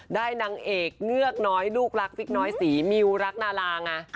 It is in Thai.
นางเอกเงือกน้อยลูกรักฟิกน้อยสีมิวรักนาราไง